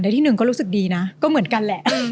ที่หนึ่งก็รู้สึกดีนะก็เหมือนกันแหละ